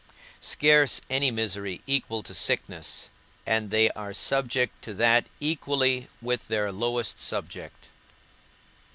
Scarce any misery equal to sickness, and they are subject to that equally with their lowest subject.